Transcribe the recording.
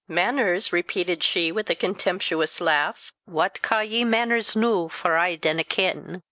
"Mainers!" repeated she, with a contemptuous laugh, "what caw ye mainers noo, for I dinna ken?